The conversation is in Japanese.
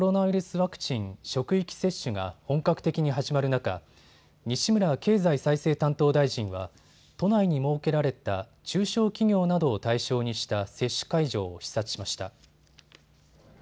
ワクチン職域接種が本格的に始まる中、西村経済再生担当大臣は都内に設けられた中小企業などを対象にした接種会場を視察しました。